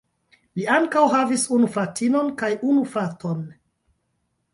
Li ankaŭ havis unu fratinon kaj unu fraton.